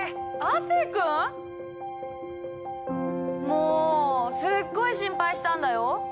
もうすっごい心配したんだよ！